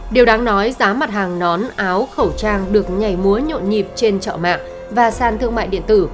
điều đáng nói giá mặt hàng nón áo khẩu trang được nhảy múa nhộn nhịp trên trọ mạng và sàn thương mại điện tử